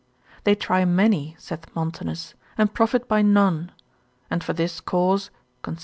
They try many (saith Montanus) and profit by none: and for this cause, consil.